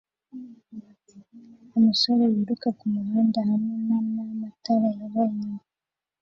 umusore wiruka kumuhanda hamwe nana matara yera inyuma